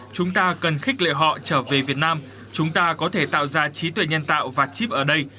chúng ta cần khích lệ họ trở về việt nam chúng ta có thể tạo ra trí tuệ nhân tạo và chip ở đây